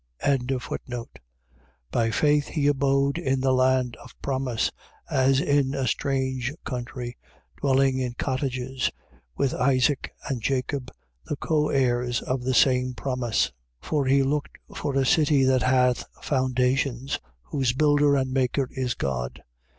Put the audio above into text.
11:9. By faith he abode in the land of promise, as in a strange country, dwelling in cottages, with Isaac and Jacob, the co heirs of the same promise. 11:10. For he looked for a city that hath foundations: whose builder and maker is God.